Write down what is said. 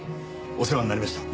お世話になりました。